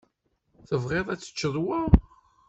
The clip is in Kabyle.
Tebɣiḍ ad teččeḍ wa?